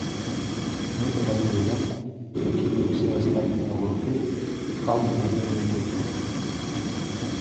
Мы падалі заяўку, які і ўсе астатнія гурты, праўда, не ведаю, якія.